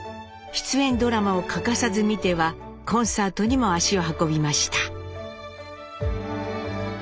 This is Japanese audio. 出演ドラマを欠かさず見てはコンサートにも足を運びました。